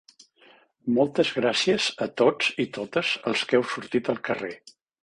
Moltes gràcies a tots i totes els que heu sortit al carrer.